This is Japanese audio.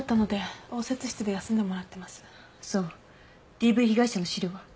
ＤＶ被害者の資料は？